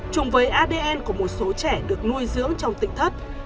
chung với adn của một số trẻ được nuôi dưỡng trong tỉnh thất